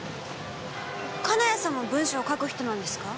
金谷さんも文章書く人なんですか？